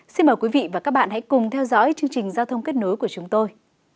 xin mời quý vị và các bạn hãy cùng theo dõi chương trình giao thông kết nối của chúng tôi